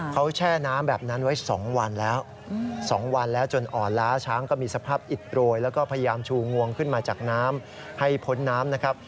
ก็ติดโปรยแล้วก็พยายามชูงวงขึ้นมาจากน้ำให้พ้นน้ำนะครับ